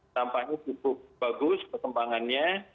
tampaknya cukup bagus perkembangannya